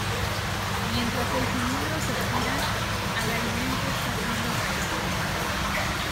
Mientras el cilindro se gira, al alimento está siendo rallado.